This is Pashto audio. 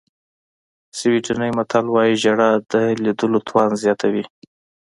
سویډني متل وایي ژړا د لیدلو توان زیاتوي.